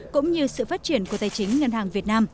cũng như sự phát triển của tài chính ngân hàng